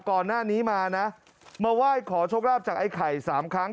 ก่อนหน้านี้มานะมาไหว้ขอโชคลาภจากไอ้ไข่๓ครั้ง